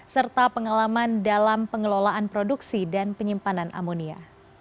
serta pengalaman dalam pengelolaan produksi dan penyimpanan amonia